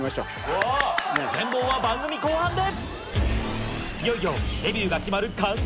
全貌は番組後半で！